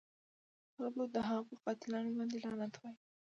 خلکو د هغه په قاتلانو باندې لعنت وایه.